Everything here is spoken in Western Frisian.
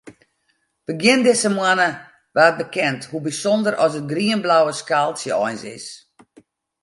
Begjin dizze moanne waard bekend hoe bysûnder as it grienblauwe skaaltsje eins is.